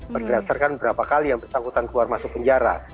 berdasarkan berapa kali yang bersangkutan keluar masuk penjara